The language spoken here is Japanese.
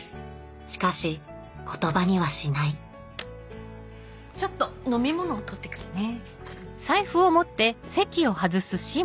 しかし言葉にはしないちょっと飲み物取ってくるね。